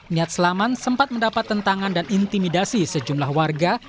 niat selamat mendapat tentangan dan intimidasi sejumlah warga